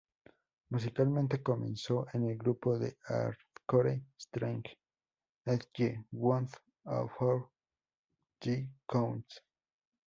Musicalmente comenzó en el grupo de hardcore straight edge Down for the Count.